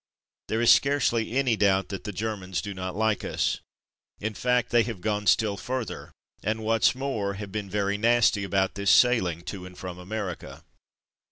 There is scarcely any doubt that the Ger mans do not like us. In fact, they have gone still further, and what's more have been very nasty about this sailing to and from America.